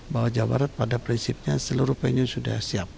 bahwa jawa barat pada prinsipnya seluruh venue sudah siap